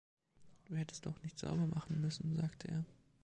„Du hättest doch nicht sauber machen müssen,“ sagte er.